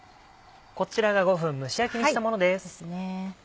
こちらが５分蒸し焼きにしたものです。